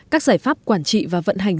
các giải pháp quản trị và vận hành